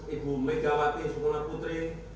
ibu megawati sumula putri